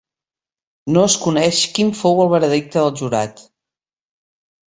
No es coneix quin fou el veredicte del jurat.